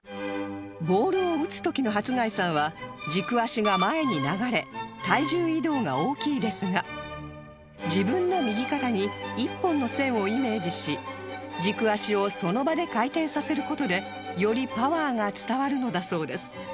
ボールを打つ時の初谷さんは軸足が前に流れ体重移動が大きいですが自分の右肩に一本の線をイメージし軸足をその場で回転させる事でよりパワーが伝わるのだそうです